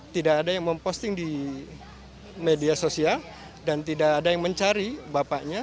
tidak ada yang memposting di media sosial dan tidak ada yang mencari bapaknya